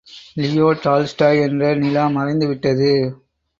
Leo Tolstoy என்ற நிலா மறைந்து விட்டது.